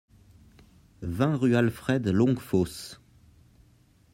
vingt rue Alfred Longuefosse